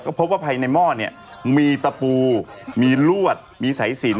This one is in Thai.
พบว่าภายในหม้อเนี่ยมีตะปูมีลวดมีสายสิน